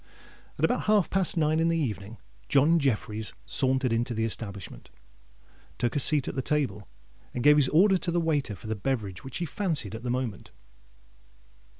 At about half past nine in the evening, John Jeffreys sauntered into the establishment, took a seat at the table, and gave his orders to the waiter for the beverage which he fancied at the moment.